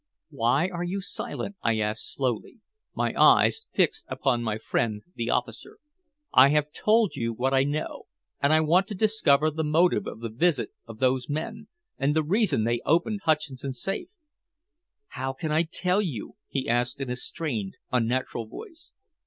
"Why are you silent?" I asked slowly, my eyes fixed upon my friend the officer. "I have told you what I know, and I want to discover the motive of the visit of those men, and the reason they opened Hutcheson's safe." "How can I tell you?" he asked in a strained, unnatural voice.